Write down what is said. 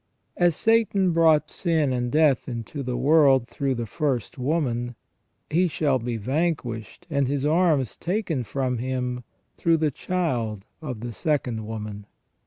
As Satan brought sin and death into the world through the first woman, he shall be vanquished and his arms taken from him through the Child of the second woman.